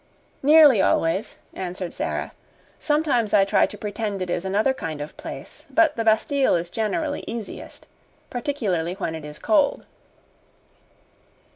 "Nearly always," answered Sara. "Sometimes I try to pretend it is another kind of place; but the Bastille is generally easiest particularly when it is cold."